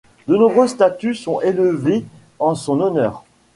De nombreuses statues sont élevées en son honneur.